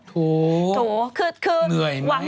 โถคืออย่างเมื่อยไหมเหนื่อยประจำเดือน